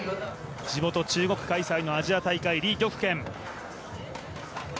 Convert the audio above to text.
地元中国開催のアジア大会、李玉娟。